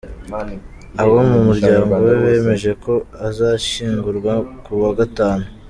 Abo mu muryango we bemeje ko azashyingurwa ku wa gatanu.